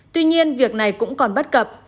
tuy nhiên việc này cũng còn bắt cập